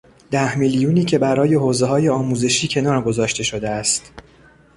ده میلیونی که برای حوزههای آموزشی کنار گذاشته شده است